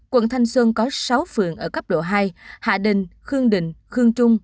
quận thanh xuân có sáu phường ở cấp độ hai hạ đình khương đình khương trung